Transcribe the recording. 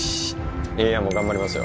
いや、もう頑張りますよ。